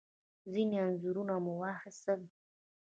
ځینې انځورونه مو واخیستل.